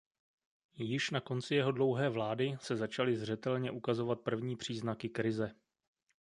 Již na konci jeho dlouhé vlády se začaly zřetelně ukazovat první příznaky krize.